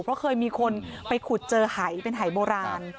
เพราะเคยมีคนไปขุดเจอหายเป็นหายโบราณ